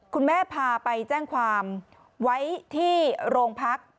พาไปแจ้งความไว้ที่โรงพัก